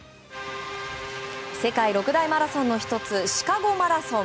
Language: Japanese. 世界六大マラソンの１つシカゴマラソン。